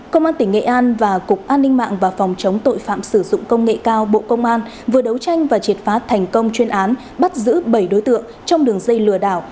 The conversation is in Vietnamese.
công an tỉnh nghệ an và cục an ninh mạng và phòng chống tội phạm sử dụng công nghệ cao bộ công an vừa đấu tranh và triệt phá thành công chuyên án bắt giữ bảy đối tượng trong đường dây lừa đảo